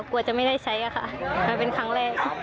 กลัวจะไม่ได้ใช้อะค่ะมันเป็นครั้งแรก